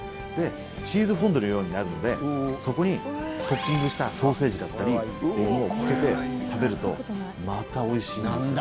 チーズフォンデュのようになるのでそこに、トッピングしたソーセージだったりというのをつけて食べるとまたおいしいんですよ。